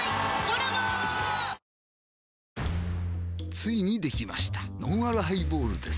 ついにできましたのんあるハイボールです